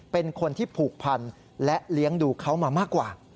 เป็นคนที่ผูกพันและเลี้ยงดูเขามามากกว่า